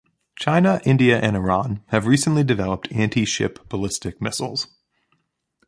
China, India and Iran have recently developed anti-ship ballistic missiles.